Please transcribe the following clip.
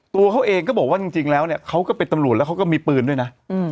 ตัวเขาเองก็บอกว่าจริงแล้วเนี่ยเขาก็เป็นตำรวจแล้วเขาก็มีปืนด้วยนะ